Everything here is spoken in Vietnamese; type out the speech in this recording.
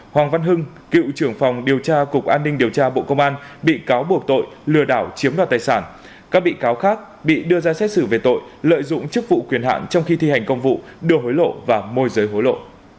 hoàng văn hưng cựu trưởng phòng điều tra cục an ninh điều tra bộ công an bị cáo buộc tội lừa đảo chiếm đoạt tài sản các bị cáo khác bị đưa ra xét xử về tội lợi dụng chức vụ quyền hạn trong khi thi hành công vụ đưa hối lộ và môi giới hối lộ